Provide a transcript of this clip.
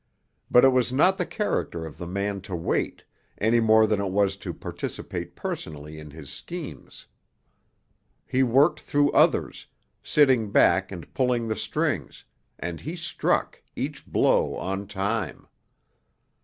But it was not the character of the man to wait, any more than it was to participate personally in his schemes. He worked through others, sitting back and pulling the strings, and he struck, each blow on time.